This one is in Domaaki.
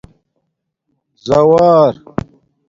زَاوار